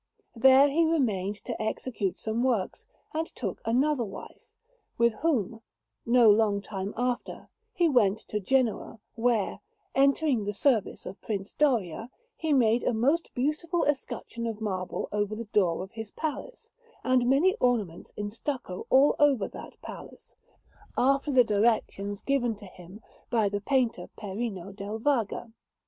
There he remained to execute some works, and took another wife, with whom, no long time after, he went to Genoa, where, entering the service of Prince Doria, he made a most beautiful escutcheon of marble over the door of his palace, and many ornaments in stucco all over that palace, after the directions given to him by the painter Perino del Vaga.